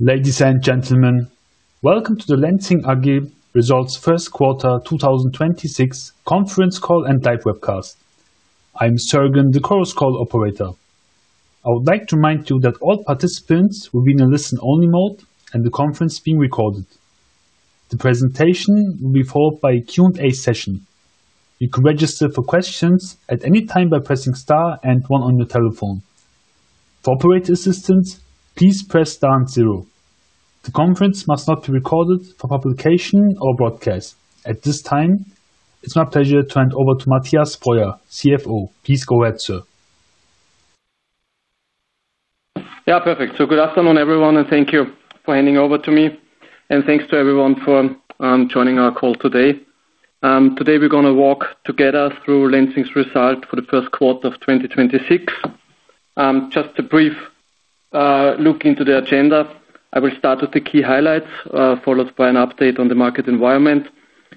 Ladies and gentlemen, welcome to the Lenzing AG Results 1st Quarter 2026 conference call and live webcast. I'm Sergen, the Chorus Call operator. I would like to remind you that all participants will be in a listen-only mode and the conference being recorded. The presentation will be followed by a Q&A session. You can register for questions at any time by pressing star one on your telephone. For operator assistance, please press star two. The conference must not be recorded for publication or broadcast. At this time, it's my pleasure to hand over to Mathias Breuer, CFO. Please go ahead, sir. Yeah, perfect. Good afternoon, everyone, and thank you for handing over to me. Thanks to everyone for joining our call today. Today we're gonna walk together through Lenzing's result for the first quarter of 2026. Just a brief look into the agenda. I will start with the key highlights, followed by an update on the market environment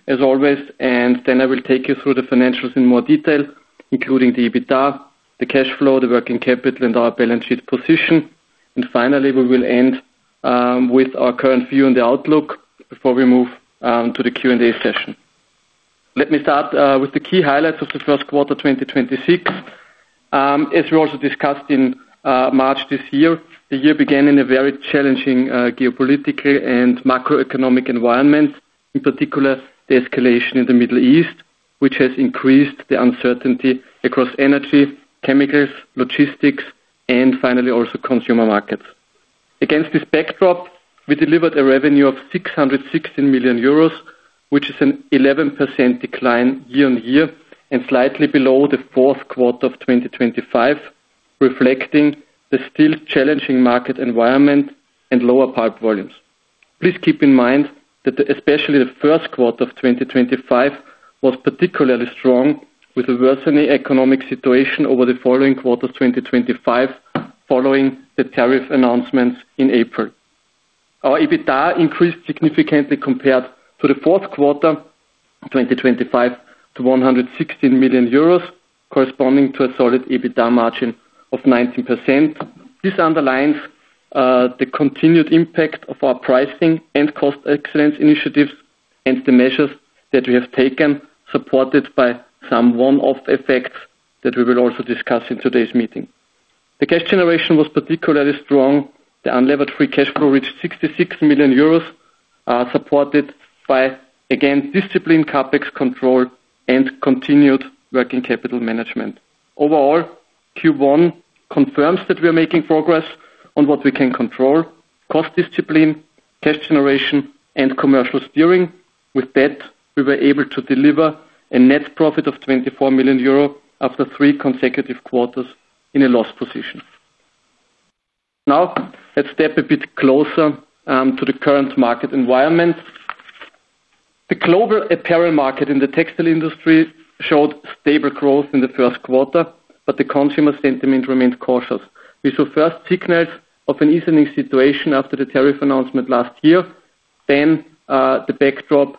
as always, and then I will take you through the financials in more detail, including the EBITDA, the cash flow, the working capital, and our balance sheet position. Finally, we will end with our current view and the outlook before we move to the Q&A session. Let me start with the key highlights of the first quarter 2026. As we also discussed in March this year, the year began in a very challenging geopolitically and macroeconomic environment, in particular the escalation in the Middle East, which has increased the uncertainty across energy, chemicals, logistics, and finally also consumer markets. Against this backdrop, we delivered a revenue of 616 million euros, which is an 11% decline year-on-year and slightly below the fourth quarter of 2025, reflecting the still challenging market environment and lower pulp volumes. Please keep in mind that especially the first quarter of 2025 was particularly strong with a worsening economic situation over the following quarter 2025 following the tariff announcements in April. Our EBITDA increased significantly compared to the fourth quarter 2025 to 116 million euros, corresponding to a solid EBITDA margin of 19%. This underlines the continued impact of our pricing and cost excellence initiatives and the measures that we have taken, supported by some one-off effects that we will also discuss in today's meeting. The cash generation was particularly strong. The unlevered free cash flow reached 66 million euros, supported by, again, disciplined CapEx control and continued working capital management. Overall, Q1 confirms that we are making progress on what we can control, cost discipline, cash generation, and commercial steering. With that, we were able to deliver a net profit of 24 million euro after three consecutive quarters in a loss position. Now, let's step a bit closer to the current market environment. The global apparel market in the textile industry showed stable growth in the first quarter, but the consumer sentiment remained cautious. We saw first signals of an easing situation after the tariff announcement last year, the backdrop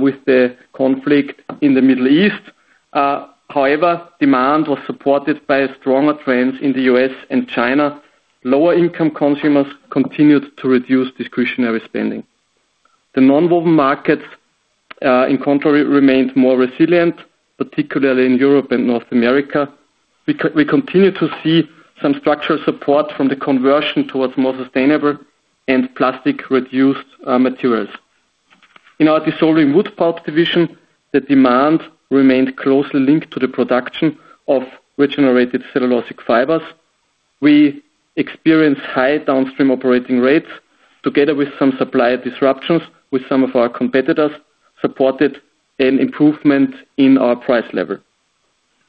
with the conflict in the Middle East. However, demand was supported by stronger trends in the U.S. and China. Lower income consumers continued to reduce discretionary spending. The nonwoven markets, in contrary, remained more resilient, particularly in Europe and North America. We continue to see some structural support from the conversion towards more sustainable and plastic reduced materials. In our dissolving wood pulp division, the demand remained closely linked to the production of regenerated cellulosic fibers. We experienced high downstream operating rates together with some supply disruptions with some of our competitors, supported an improvement in our price level.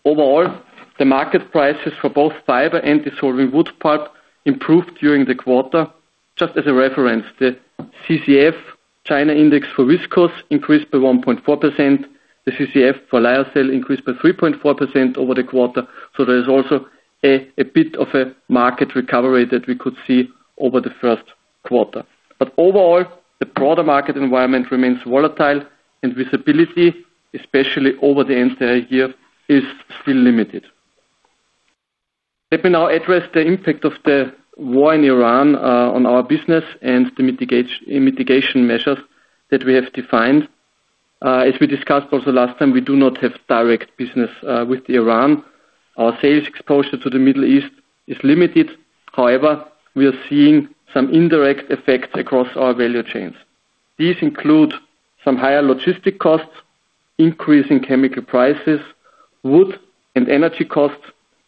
Overall, the market prices for both fiber and dissolving wood pulp improved during the quarter. Just as a reference, the CCF China Index for viscose increased by 1.4%. The CCF for lyocell increased by 3.4% over the quarter. There is also a bit of a market recovery that we could see over the first quarter. Overall, the broader market environment remains volatile and visibility, especially over the entire year, is still limited. Let me now address the impact of the war in Iran on our business and the mitigation measures that we have defined. As we discussed also last time, we do not have direct business with Iran. Our sales exposure to the Middle East is limited. However, we are seeing some indirect effects across our value chains. These include some higher logistic costs, increase in chemical prices, wood and energy costs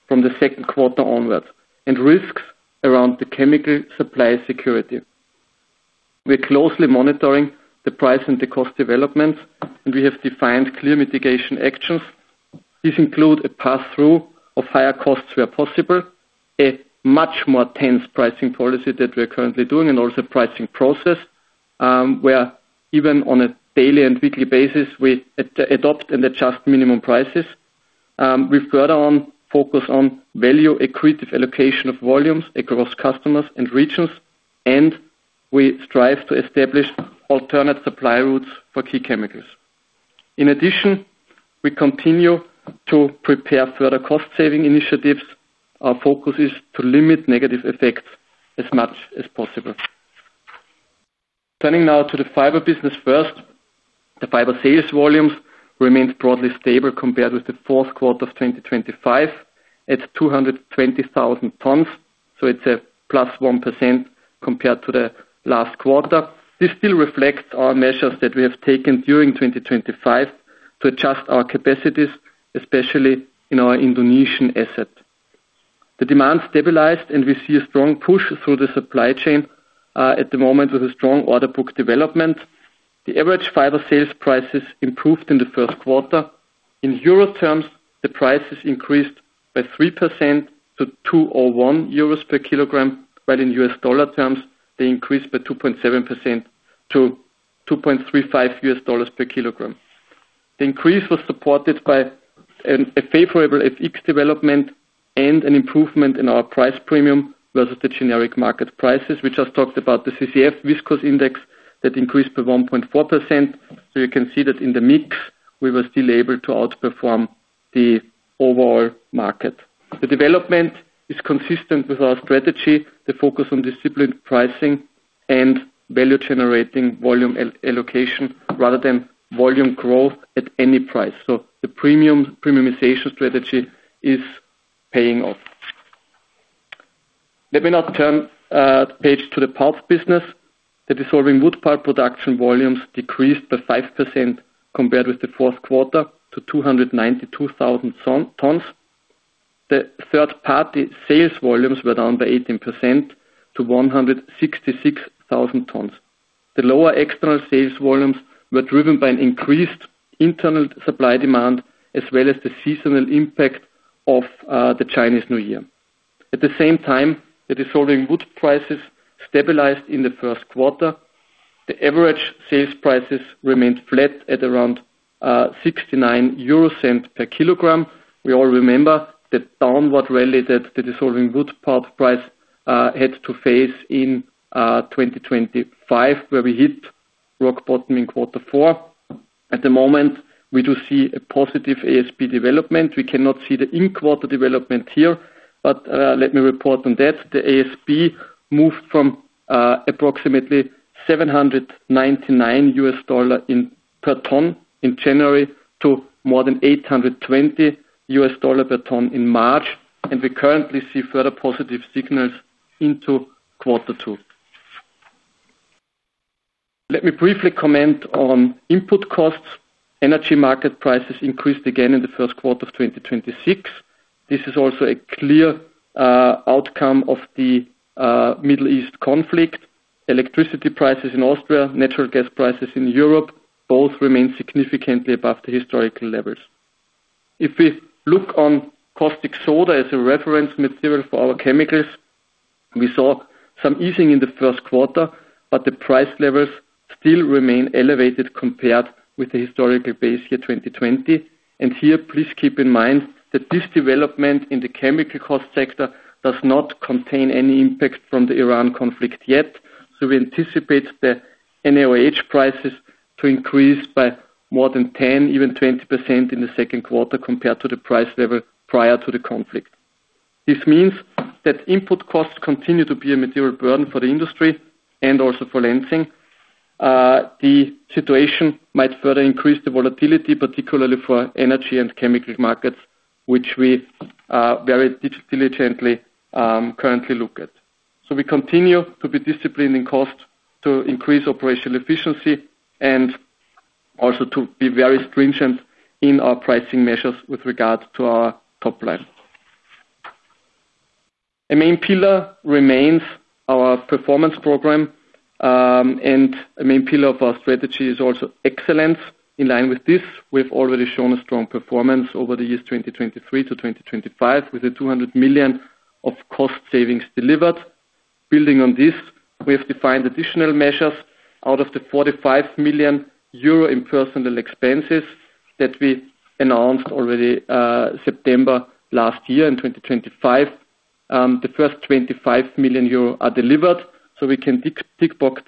from the second quarter onwards, and risks around the chemical supply security. We are closely monitoring the price and the cost developments, and we have defined clear mitigation actions. These include a pass-through of higher costs where possible, a much more tense pricing policy that we are currently doing and also pricing process, where even on a daily and weekly basis we adopt and adjust minimum prices. We've got our own focus on value accretive allocation of volumes across customers and regions, and we strive to establish alternate supply routes for key chemicals. In addition, we continue to prepare further cost saving initiatives. Our focus is to limit negative effects as much as possible. Turning now to the fiber business first. The fiber sales volumes remained broadly stable compared with the fourth quarter of 2025. It's 220,000 tons, so it's a +1% compared to the last quarter. This still reflects our measures that we have taken during 2025 to adjust our capacities, especially in our Indonesian asset. The demand stabilized, and we see a strong push through the supply chain at the moment with a strong order book development. The average fiber sales prices improved in the first quarter. In Euro terms, the prices increased by 3% to 2.01 euros per kilogram, while in USD terms, they increased by 2.7% to $2.35 per kilogram. The increase was supported by a favorable FX development and an improvement in our price premium versus the generic market prices. We just talked about the CCF viscose index that increased by 1.4%. You can see that in the mix, we were still able to outperform the overall market. The development is consistent with our strategy, the focus on disciplined pricing and value-generating volume allocation rather than volume growth at any price. The premiumization strategy is paying off. Let me now turn page to the pulp business. The dissolving wood pulp production volumes decreased by 5% compared with the fourth quarter to 292,000 tons. The third-party sales volumes were down by 18% to 166,000 tons. The lower external sales volumes were driven by an increased internal supply demand as well as the seasonal impact of the Chinese New Year. At the same time, the dissolving wood prices stabilized in the first quarter. The average sales prices remained flat at around 0.69 per kilogram. We all remember the downward rally that the dissolving wood pulp price had to face in 2025, where we hit rock bottom in quarter four. At the moment, we do see a positive ASP development. We cannot see the in-quarter development here, but let me report on that. The ASP moved from approximately $799 per ton in January to more than $820 per ton in March. We currently see further positive signals into quarter two. Let me briefly comment on input costs. Energy market prices increased again in the first quarter of 2026. This is also a clear outcome of the Middle East conflict. Electricity prices in Austria, natural gas prices in Europe both remain significantly above the historical levels. If we look on caustic soda as a reference material for our chemicals, we saw some easing in the first quarter, but the price levels still remain elevated compared with the historical base year 2020. Here, please keep in mind that this development in the chemical cost sector does not contain any impact from the Iran conflict yet. We anticipate the NaOH prices to increase by more than 10, even 20% in the second quarter compared to the price level prior to the conflict. This means that input costs continue to be a material burden for the industry and also for Lenzing. The situation might further increase the volatility, particularly for energy and chemical markets, which we are very diligently currently look at. We continue to be disciplined in cost to increase operational efficiency and also to be very stringent in our pricing measures with regards to our top line. A main pillar remains our performance program, and a main pillar of our strategy is also excellence. In line with this, we've already shown a strong performance over the years 2023 to 2025, with the 200 million of cost savings delivered. Building on this, we have defined additional measures out of the 45 million euro in personal expenses that we announced already, September last year in 2025. The first 25 million euro are delivered, so we can tick box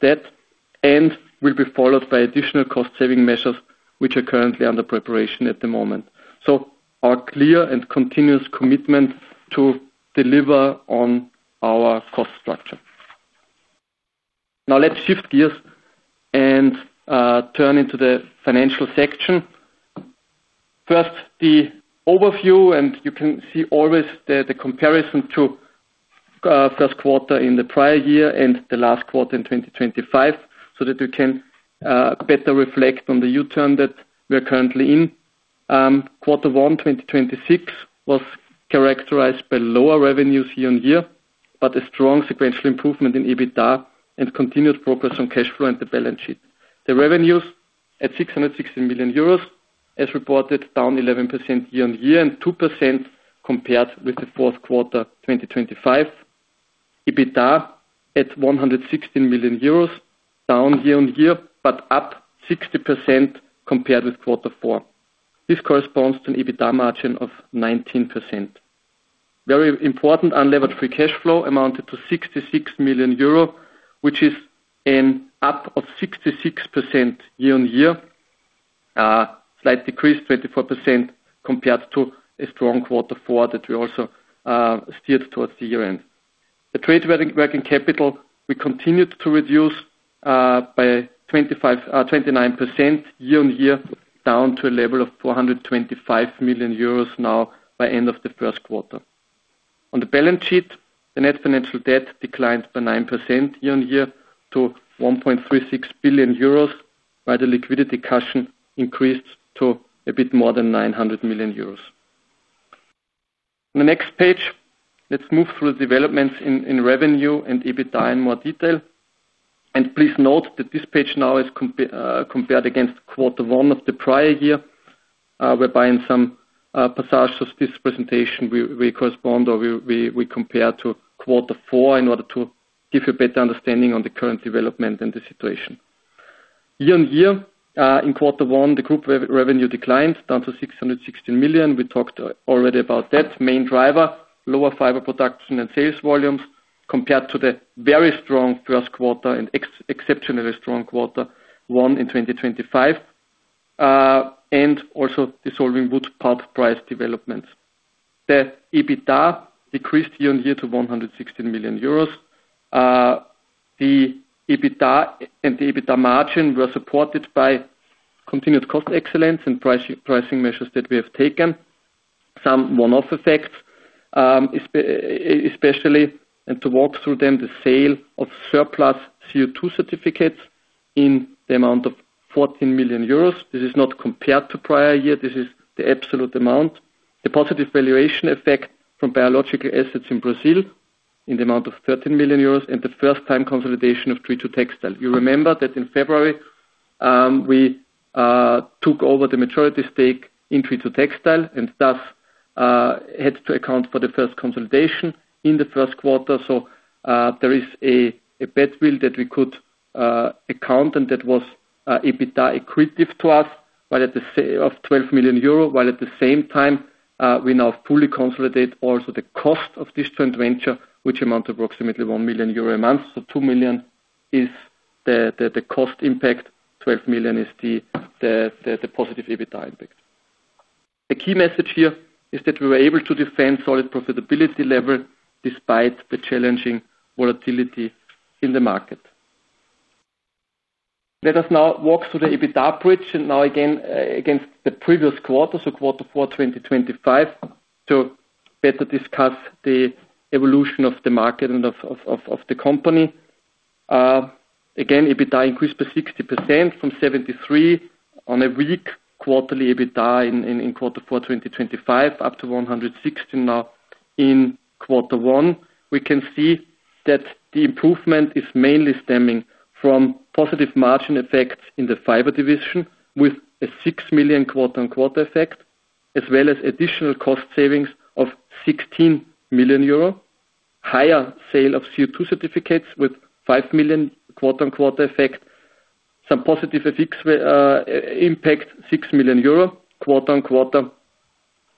that. Will be followed by additional cost saving measures, which are currently under preparation at the moment. Our clear and continuous commitment to deliver on our cost structure. Now let's shift gears and turn into the financial section. First, the overview, and you can see always the comparison to first quarter in the prior year and the last quarter in 2025 so that we can better reflect on the U-turn that we are currently in. Quarter one 2026 was characterized by lower revenues year-on-year, but a strong sequential improvement in EBITDA and continued progress on cash flow and the balance sheet. The revenues at 660 million euros as reported, down 11% year-on-year and 2% compared with the fourth quarter 2025. EBITDA at 116 million euros, down year-on-year but up 60% compared with quarter four. This corresponds to an EBITDA margin of 19%. Very important, unlevered free cash flow amounted to 66 million euro, which is an up of 66% year-on-year. Slight decrease 24% compared to a strong quarter four that we also steered towards the year end. The trade working capital we continued to reduce by 29% year-on-year, down to a level of 425 million euros now by end of the first quarter. On the balance sheet, the net financial debt declined by 9% year-on-year to 1.36 billion euros, while the liquidity cushion increased to a bit more than 900 million euros. On the next page, let's move through the developments in revenue and EBITDA in more detail. Please note that this page now is compared against quarter one of the prior year, whereby in some passages of this presentation we correspond or we compare to quarter four in order to give a better understanding on the current development and the situation. Year on year, in quarter one, the group revenue declined down to 616 million. We talked already about that. Main driver, lower fiber production and sales volumes compared to the very strong first quarter and exceptionally strong quarter one in 2025, and also dissolving wood pulp price developments. The EBITDA decreased year on year to 116 million euros. The EBITDA and the EBITDA margin were supported by continued cost excellence and pricing measures that we have taken. Some one-off effects, especially, and to walk through them, the sale of surplus CO2 certificates in the amount of 14 million euros. This is not compared to prior year. This is the absolute amount. The positive valuation effect from biological assets in Brazil in the amount of 13 million euros and the first time consolidation of TreeToTextile. You remember that in February, we took over the majority stake in TreeToTextile and had to account for the first consolidation in the first quarter. There is a badwill that we could account and that was EBITDA accretive to us, but of 12 million euro, while at the same time, we now fully consolidate also the cost of this joint venture, which amount approximately 1 million euro a month. 2 million is the cost impact. 12 million is the positive EBITDA impact. The key message here is that we were able to defend solid profitability level despite the challenging volatility in the market. Let us now walk through the EBITDA bridge and now again, against the previous quarter, so quarter four, 2025, to better discuss the evolution of the market and of the company. Again, EBITDA increased by 60% from 73 million on a weak quarterly EBITDA in quarter four, 2025, up to 116 million now in quarter one. We can see that the improvement is mainly stemming from positive margin effects in the fiber division with a 6 million quarter-on-quarter effect, as well as additional cost savings of 16 million euro. Higher sale of CO2 certificates with 5 million quarter-over-quarter effect. Some positive effects impact 6 million euro quarter-over-quarter.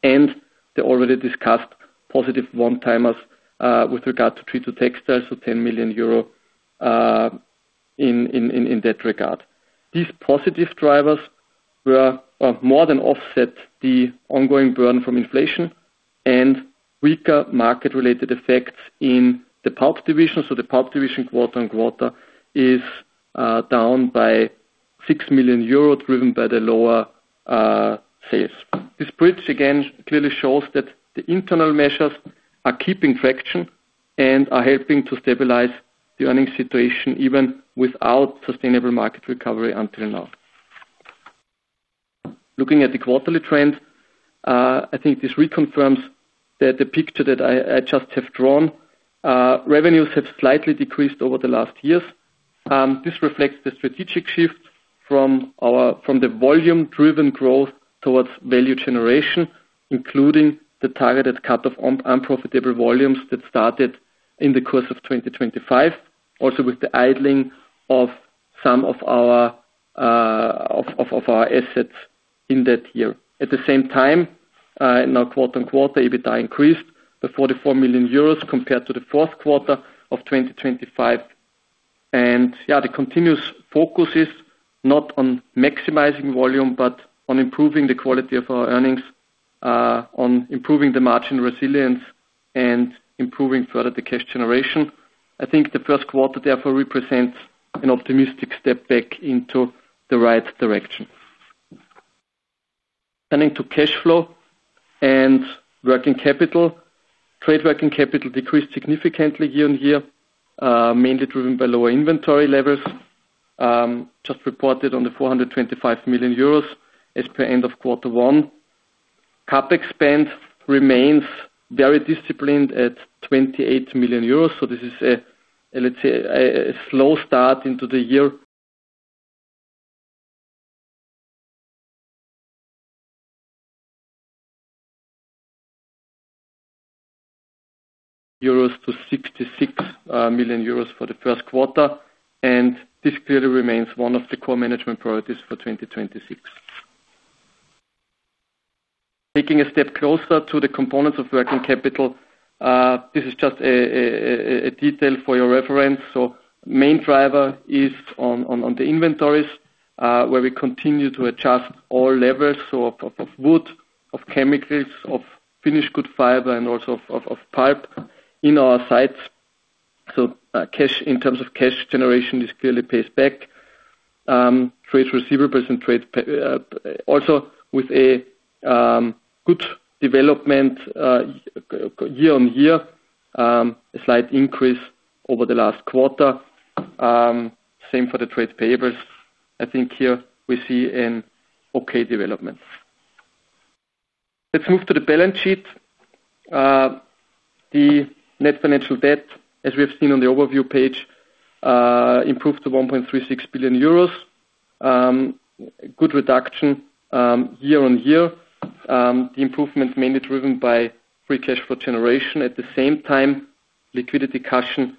The already discussed positive one-timers with regard to TreeToTextile, 10 million euro in that regard. These positive drivers were more than offset the ongoing burn from inflation and weaker market related effects in the pulp division. The pulp division quarter-over-quarter is down by 6 million euro, driven by the lower sales. This bridge, again, clearly shows that the internal measures are keeping traction and are helping to stabilize the earnings situation even without sustainable market recovery until now. Looking at the quarterly trends, I think this reconfirms the picture that I just have drawn. Revenues have slightly decreased over the last years. This reflects the strategic shift from the volume-driven growth towards value generation, including the targeted cut of unprofitable volumes that started in the course of 2025. With the idling of some of our assets in that year. At the same time, now quarter-on-quarter, EBITDA increased to 44 million euros compared to the fourth quarter of 2025. Yeah, the continuous focus is not on maximizing volume, but on improving the quality of our earnings, on improving the margin resilience and improving further the cash generation. I think the first quarter therefore represents an optimistic step back into the right direction. Turning to cash flow and working capital. Trade working capital decreased significantly year on year, mainly driven by lower inventory levels, just reported on the 425 million euros as per end of quarter one. CapEx spend remains very disciplined at 28 million euros. This is a, let's say, a slow start into the year. 66 million euros for the first quarter, this clearly remains one of the core management priorities for 2026. Taking a step closer to the components of working capital, this is just a detail for your reference. Main driver is on the inventories, where we continue to adjust all levels of wood, of chemicals, of finished good fiber, and also of pulp in our sites. Cash, in terms of cash generation, this clearly pays back. Trades receivable also with a good development year-on-year, a slight increase over the last quarter. Same for the trade payables. I think here we see an okay development. Let's move to the balance sheet. The net financial debt, as we have seen on the overview page, improved to 1.36 billion euros. Good reduction year-on-year. The improvement mainly driven by free cash flow generation. At the same time, liquidity cushion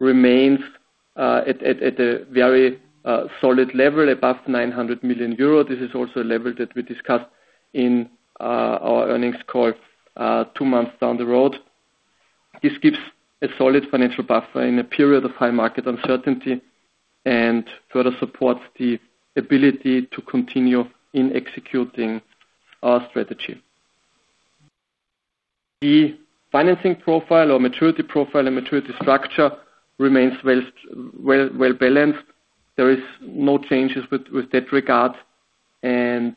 remains at a very solid level, above 900 million euro. This is also a level that we discussed in our earnings call two months down the road. This gives a solid financial buffer in a period of high market uncertainty and further supports the ability to continue in executing our strategy. The financing profile or maturity profile and maturity structure remains well-balanced. There is no changes with that regard, and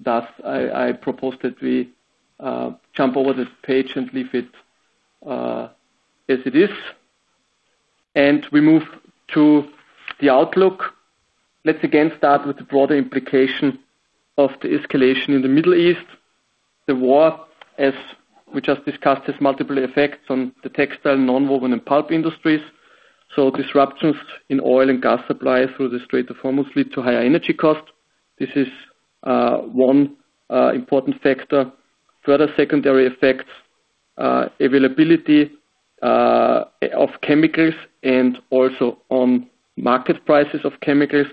thus I propose that we jump over this page and leave it as it is. We move to the outlook. Let's again start with the broader implication of the escalation in the Middle East. The war, as we just discussed, has multiple effects on the textile, nonwoven, and pulp industries. Disruptions in oil and gas supply through the Strait of Hormuz lead to higher energy costs. This is one important factor. Further secondary effects, availability of chemicals and also on market prices of chemicals,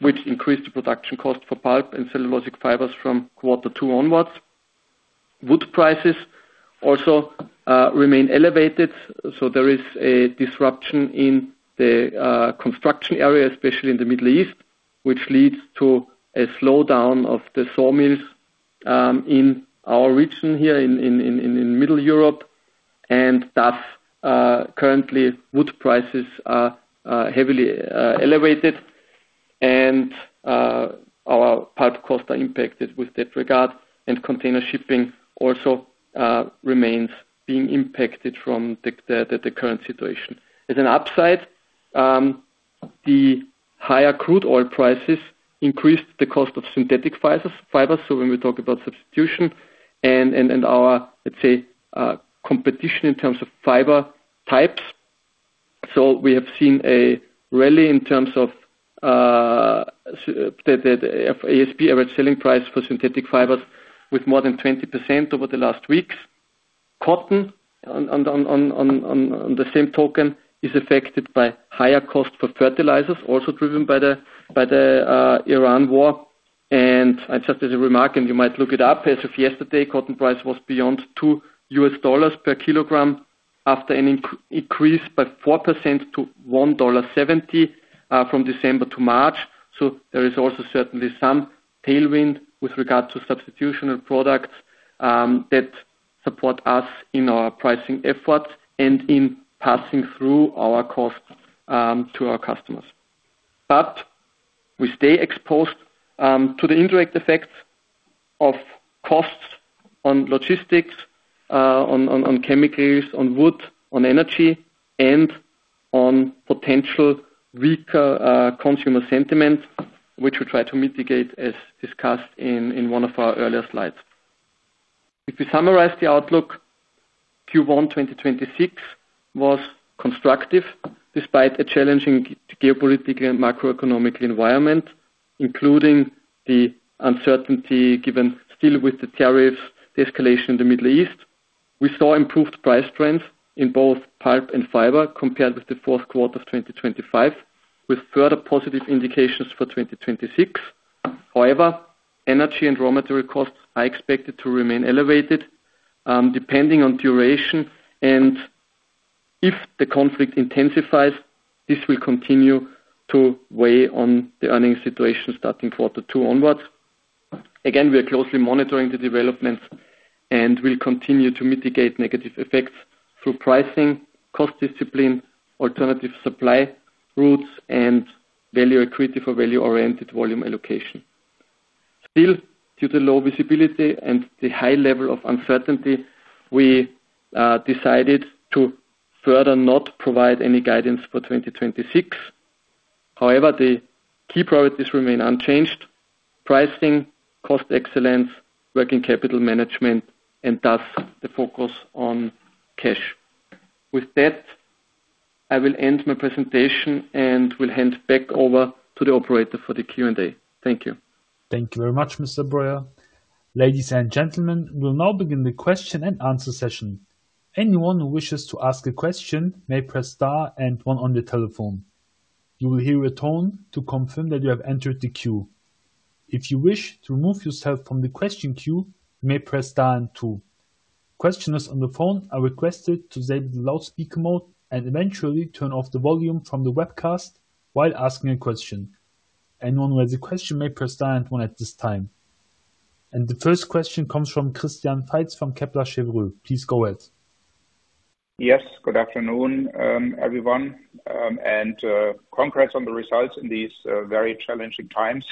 which increase the production cost for pulp and cellulosic fibers from Q2 onwards. Wood prices also remain elevated, so there is a disruption in the construction area, especially in the Middle East, which leads to a slowdown of the sawmills in our region here in Middle Europe. Thus, currently, wood prices are heavily elevated and our pulp costs are impacted with that regard. Container shipping also remains being impacted from the current situation. As an upside, the higher crude oil prices increase the cost of synthetic fibers. When we talk about substitution and our, let's say, competition in terms of fiber types. We have seen a rally in terms of the ASP, average selling price, for synthetic fibers with more than 20% over the last weeks. Cotton on the same token is affected by higher cost for fertilizers also driven by the Iran war. Just as a remark, and you might look it up, as of yesterday, cotton price was beyond $2 per kilogram after an increase by 4% to $1.70 from December to March. There is also certainly some tailwind with regard to substitutional products that support us in our pricing efforts and in passing through our costs to our customers. We stay exposed to the indirect effects of costs on logistics, on chemicals, on wood, on energy, and on potential weaker consumer sentiment, which we try to mitigate as discussed in one of our earlier slides. If we summarize the outlook, Q1 2026 was constructive despite a challenging geopolitical and macroeconomic environment, including the uncertainty given still with the tariffs, the escalation in the Middle East. We saw improved price trends in both pulp and fiber compared with the 4th quarter of 2025, with further positive indications for 2026. Energy and raw material costs are expected to remain elevated, depending on duration, and if the conflict intensifies, this will continue to weigh on the earnings situation starting Q2 onwards. We are closely monitoring the developments and will continue to mitigate negative effects through pricing, cost discipline, alternative supply routes, and value accretive or value-oriented volume allocation. Due to low visibility and the high level of uncertainty, we decided to further not provide any guidance for 2026. However, the key priorities remain unchanged: pricing, cost excellence, working capital management, and thus the focus on cash. With that, I will end my presentation and will hand back over to the operator for the Q&A. Thank you. Thank you very much, Mr. Breuer. Ladies and gentlemen, we'll now begin the question and answer session. Anyone who wishes to ask a question may press star and one on the telephone. You will hear a tone to confirm that you have entered the queue. If you wish to remove yourself from the question queue, you may press star and two. Questioners on the phone are requested to stay in the loudspeaker mode and eventually turn off the volume from the webcast while asking a question. Anyone with a question may press star and one at this time. The first question comes from Christian Faitz from Kepler Cheuvreux. Please go ahead. Yes, good afternoon, everyone, and congrats on the results in these very challenging times.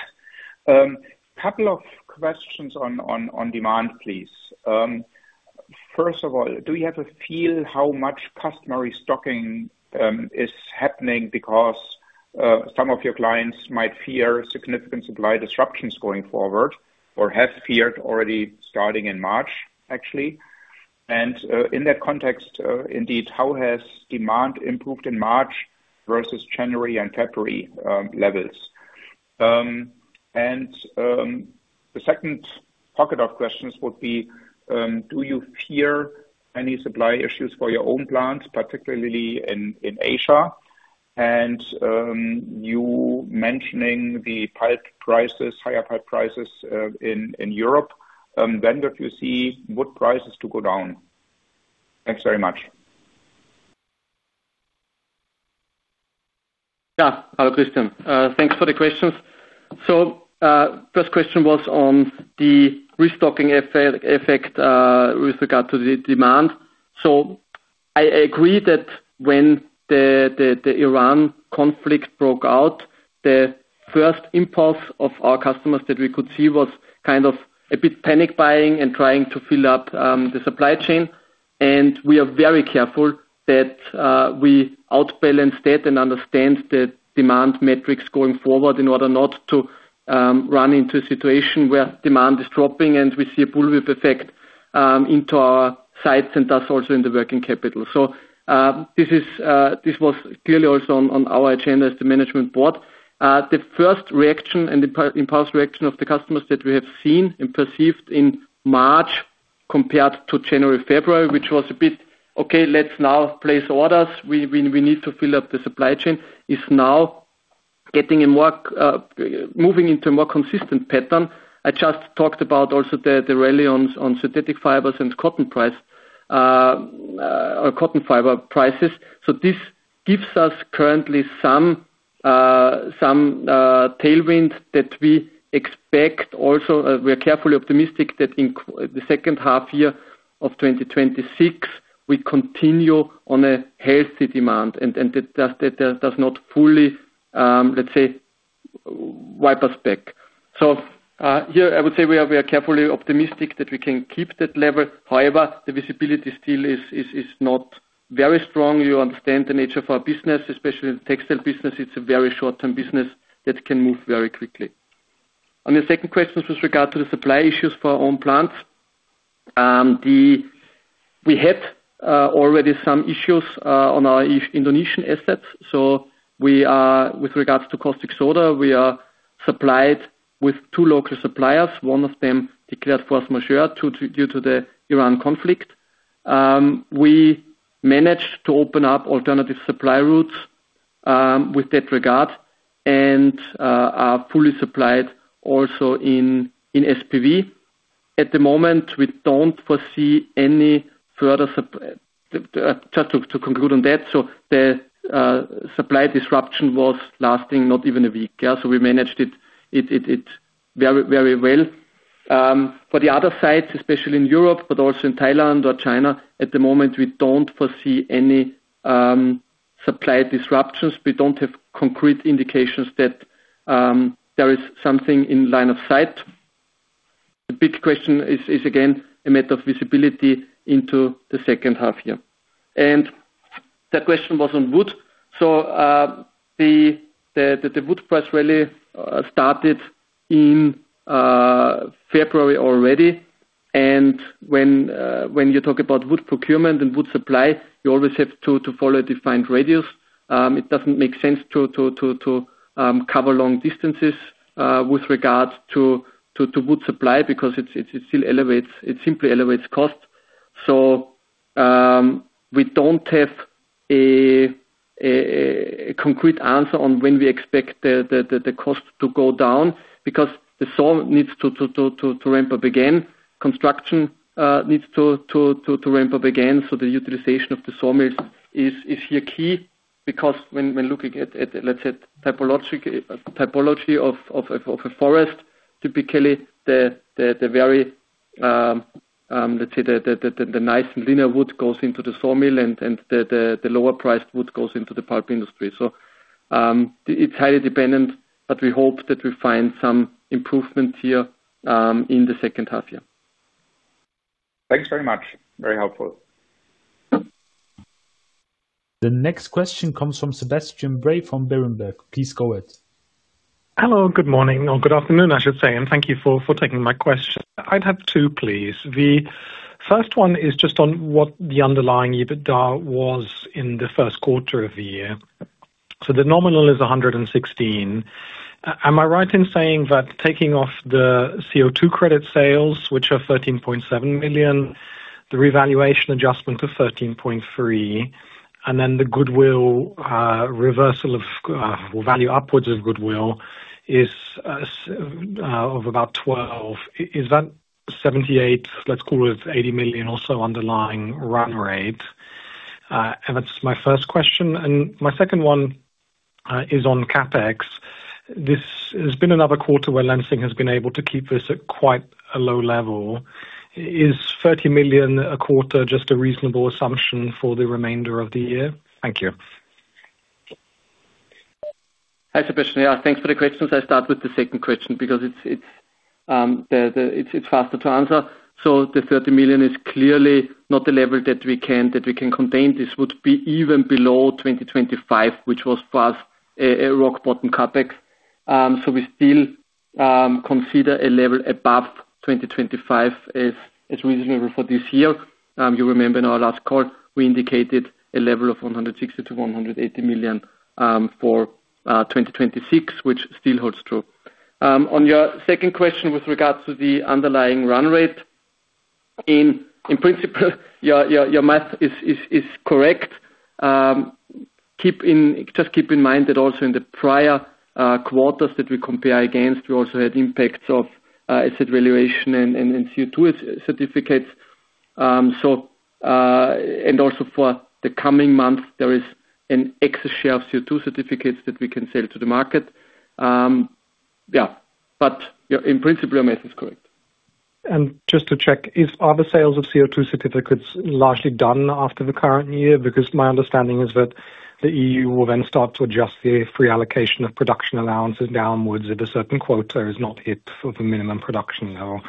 Couple of questions on demand, please. First of all, do you have a feel how much customer restocking is happening because some of your clients might fear significant supply disruptions going forward or have feared already starting in March, actually? In that context, indeed, how has demand improved in March versus January and February levels? The second pocket of questions would be, do you fear any supply issues for your own plants, particularly in Asia? You mentioning the pulp prices, higher pulp prices in Europe, when do you see wood prices to go down? Thanks very much. Hello, Christian. Thanks for the questions. First question was on the restocking effect with regard to the demand. I agree that when the Iran conflict broke out, the first impulse of our customers that we could see was kind of a bit panic buying and trying to fill up the supply chain. We are very careful that we outbalance that and understand the demand metrics going forward in order not to run into a situation where demand is dropping and we see a bullwhip effect into our sites and thus also in the working capital. This was clearly also on our agenda as the management board. The first reaction and the impulse reaction of the customers that we have seen and perceived in March compared to January, February, which was a bit, "Okay, let's now place orders. We need to fill up the supply chain," is now getting a more moving into a more consistent pattern. I just talked about also the rally on synthetic fibers and cotton price or cotton fiber prices. This gives us currently some tailwind that we expect also, we are carefully optimistic that in the second half year of 2026, we continue on a healthy demand and that does not fully, let's say, wipe us back. Here I would say we are carefully optimistic that we can keep that level. The visibility still is not very strong. You understand the nature of our business, especially in the textile business. It's a very short-term business that can move very quickly. On the second question with regard to the supply issues for our own plants, We had already some issues on our Indonesian assets. We are, with regards to caustic soda, we are supplied with two local suppliers. One of them declared force majeure due to the Iran conflict. We managed to open up alternative supply routes with that regard and are fully supplied also in SPV. Just to conclude on that. The supply disruption was lasting not even a week. Yeah. We managed it very well. For the other sites, especially in Europe, but also in Thailand or China, at the moment, we don't foresee any supply disruptions. We don't have concrete indications that there is something in line of sight. The big question is again a matter of visibility into the second half year. The question was on wood. The wood price rally started in February already. When you talk about wood procurement and wood supply, you always have to follow defined radius. It doesn't make sense to cover long distances with regards to wood supply because it simply elevates costs. We don't have a concrete answer on when we expect the cost to go down because the saw needs to ramp up again. Construction needs to ramp up again. The utilization of the sawmill is here key because when looking at, let's say, typology of a forest, typically the very, let's say the nice linear wood goes into the sawmill and the lower priced wood goes into the pulp industry. It's highly dependent, but we hope that we find some improvement here in the second half year. Thanks very much. Very helpful. The next question comes from Sebastian Bray from Berenberg. Please go ahead. Hello, good morning or good afternoon, I should say, thank you for taking my question. I'd have have, please. The first one is just on what the underlying EBITDA was in the first quarter of the year. The nominal is 116. Am I right in saying that taking off the CO2 credit sales, which are 13.7 million, the revaluation adjustment of 13.3, the goodwill reversal or value upwards of goodwill is about 12 million. Is that 78 million, let's call it 80 million or so underlying run rate? That's my first question. My second one is on CapEx. This has been another quarter where Lenzing has been able to keep this at quite a low level. Is 30 million a quarter just a reasonable assumption for the remainder of the year? Thank you. Hi, Sebastian. Thanks for the questions. I'll start with the second question because it's faster to answer. The 30 million is clearly not the level that we can contain. This would be even below 2025, which was for us a rock bottom CapEx. We still consider a level above 2025 as reasonable for this year. You remember in our last call, we indicated a level of 160 million-180 million for 2026, which still holds true. On your second question with regards to the underlying run rate, in principle, your math is correct. Just keep in mind that also in the prior quarters that we compare against, we also had impacts of I said valuation and CO2 certificates. Also for the coming months, there is an excess share of CO2 certificates that we can sell to the market. In principle, your math is correct. Just to check, are the sales of CO2 certificates largely done after the current year? My understanding is that the EU will then start to adjust the free allocation of production allowances downwards if a certain quota is not hit for the minimum production level.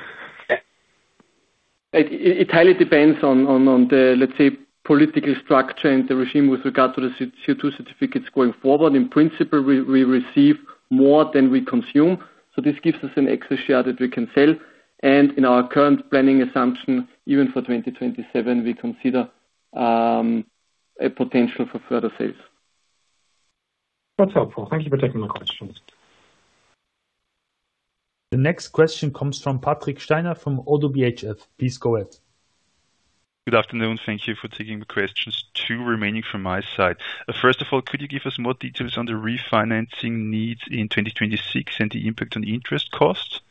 It highly depends on the, let's say, political structure and the regime with regard to the CO2 certificates going forward. In principle, we receive more than we consume, so this gives us an excess share that we can sell. In our current planning assumption, even for 2027, we consider a potential for further sales. That's helpful. Thank you for taking my questions. The next question comes from Patrick Steiner from ODDO BHF. Please go ahead. Good afternoon. Thank you for taking the questions, two remaining from my side. First of all, could you give us more details on the refinancing needs in 2026 and the impact on interest costs?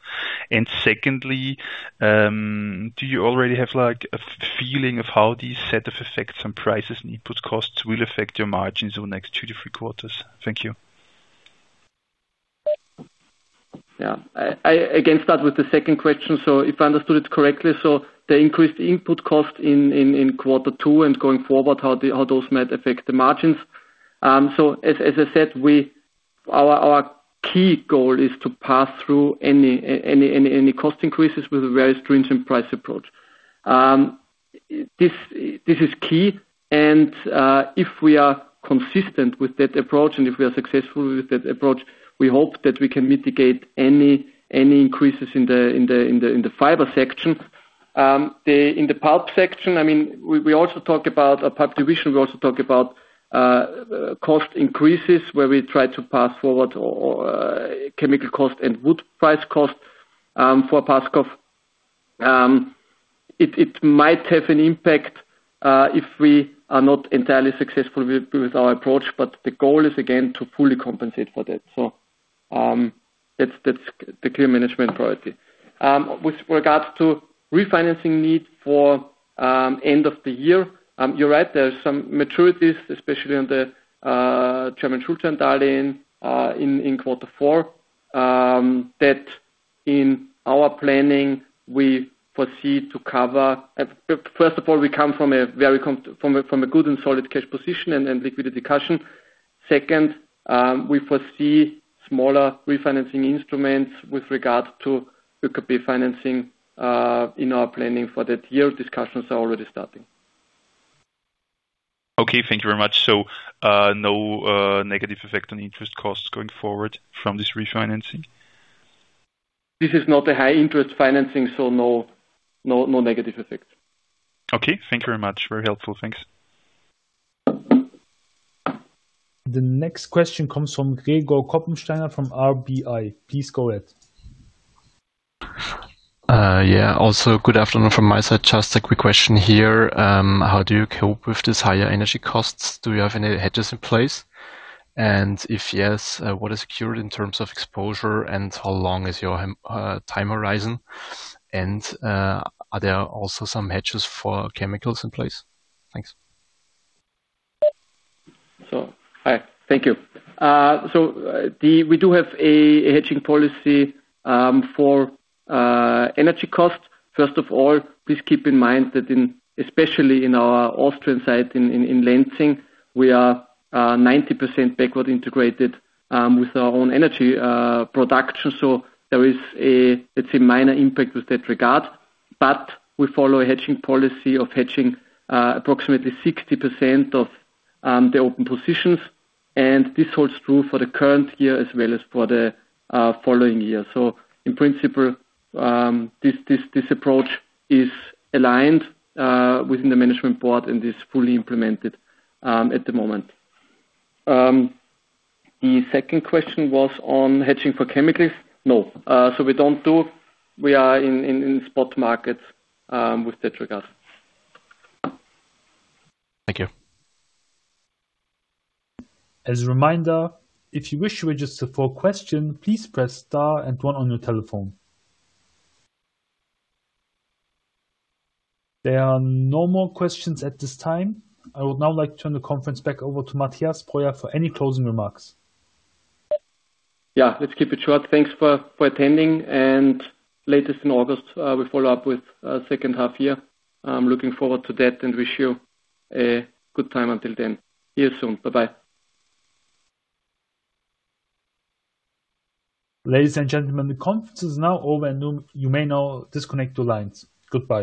Secondly, do you already have, like, a feeling of how these set of effects on prices and input costs will affect your margins over the next two to three quarters? Thank you. I again start with the second question. If I understood it correctly, the increased input cost in quarter two and going forward, how those might affect the margins. As I said, Our key goal is to pass through any cost increases with a very stringent price approach. This is key and if we are consistent with that approach, and if we are successful with that approach, we hope that we can mitigate any increases in the fiber section. In the pulp section, I mean, we also talk about a pulp division. We also talk about cost increases where we try to pass forward or chemical cost and wood price cost for Paskov. It might have an impact if we are not entirely successful with our approach, but the goal is again to fully compensate for that. That's the clear management priority. With regards to refinancing need for end of the year, you're right, there are some maturities, especially on the German Schuldscheindarlehen in quarter four that in our planning, we foresee to cover. First of all, we come from a very good and solid cash position and liquidity cushion. We foresee smaller refinancing instruments with regards to the copier financing in our planning for that year. Discussions are already starting. Okay. Thank you very much. No negative effect on interest costs going forward from this refinancing? This is not a high interest financing, so no, no negative effect. Okay. Thank you very much. Very helpful. Thanks. The next question comes from Gregor Koppensteiner from RBI. Please go ahead. Yeah. Also, good afternoon from my side. Just a quick question here. How do you cope with this higher energy costs? Do you have any hedges in place? If yes, what is secured in terms of exposure, and how long is your hedge time horizon? Are there also some hedges for chemicals in place? Thanks. Hi. Thank you. We do have a hedging policy for energy costs. First of all, please keep in mind that especially in our Austrian site in Lenzing, we are 90% backward integrated with our own energy production. There is a, let's say, minor impact with that regard. We follow a hedging policy of hedging approximately 60% of the open positions, and this holds true for the current year as well as for the following year. In principle, this approach is aligned within the management board and is fully implemented at the moment. The second question was on hedging for chemicals. No. We are in spot markets with that regard. Thank you. As a reminder, if you wish to register for a question, please press star and one on your telephone. There are no more questions at this time. I would now like to turn the conference back over to Mathias Breuer for any closing remarks. Yeah. Let's keep it short. Thanks for attending. Latest in August, we follow up with second half year. I'm looking forward to that and wish you a good time until then. See you soon. Bye-bye. Ladies and gentlemen, the conference is now over, and you may now disconnect your lines. Goodbye.